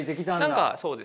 何かそうですね。